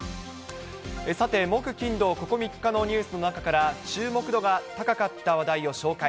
さて、木金土、ここ３日のニュースの中から、注目度が高かった話題を紹介。